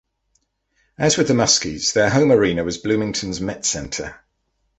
As with the Muskies, their home arena was Bloomington's Met Center.